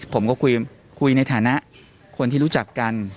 ผมก็คุยในฐานะคนที่รู้จักกัน